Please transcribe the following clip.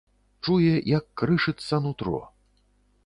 Чуе, як крышыцца нутро.